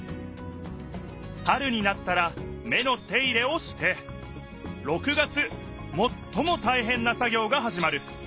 春になったら芽の手入れをして６月もっともたいへんな作業がはじまる。